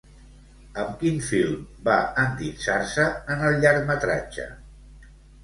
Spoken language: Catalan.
Amb quin film va endinsar-se en el llargmetratge?